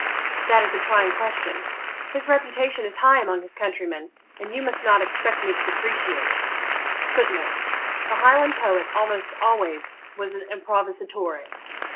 'That is a trying question. His reputation is high among his countrymen, and you must not expect me to depreciate it. [Footnote: The Highland poet almost always was an improvisatore.